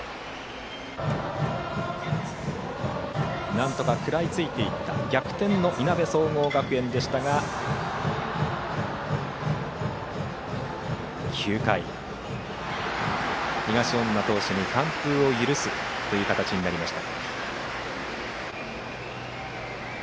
なんとか食らいついていった逆転のいなべ総合学園でしたが９回、東恩納投手に完封を許す形になりました。